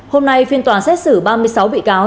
hôm nay phiên tòa xét xử ba mươi sáu bị cáo